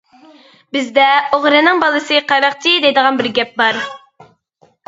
بىزدە ئوغرىنىڭ بالىسى قاراقچى دەيدىغان بىر گەپ بار.